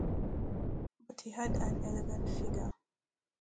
But he had an elegant figure.